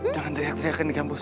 jangan teriak teriakan di kampus